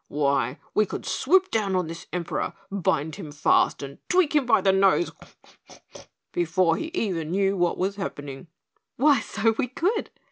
"Why, we could swoop down on this Emperor, bind him fast and tweak him by the nose before he even knew what was happening." "Why, so we could!"